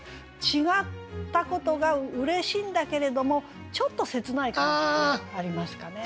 違ったことがうれしいんだけれどもちょっと切ない感じもありますかね。